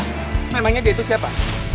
kamu pasti siapa